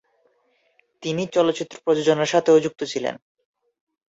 তিনি চলচ্চিত্র প্রযোজনার সাথেও যুক্ত ছিলেন।